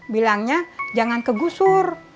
bilangnya jangan kegusur